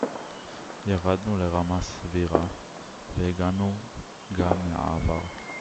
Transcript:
ירדנו לרמה סבירה והגענו גם מעבר